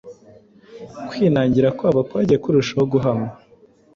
Kwinangira kwabo kwagiye kurushaho guhama.